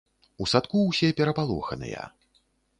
У садку ўсе перапалоханыя.